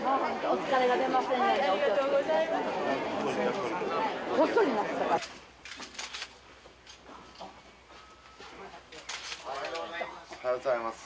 おめでとうございます。